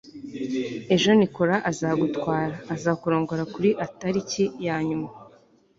ejo, nicholas azagutwara. azakurongora kuri a itariki ya nyuma